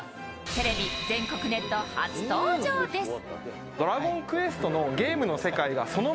テレビ全国ネット初登場です。